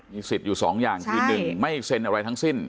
สิทธิ์อยู่๒อย่างคือ๑ไม่เซ็นอะไรทั้งสิ้น